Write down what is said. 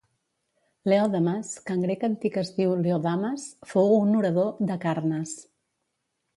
Leòdames, que en grec antic es diu "Leodamas", fou un orador d'Acarnes.